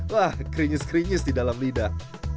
wah keringis keringis di dalam lidah